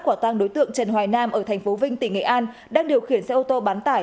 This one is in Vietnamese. quả đối tượng trần hoài nam ở thành phố vinh tỉnh nghệ an đang điều khiển xe ô tô bán tải